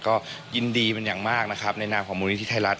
ก็ยินดีมันอย่างมากในหน้าของมูลนิธิไทยรัฐ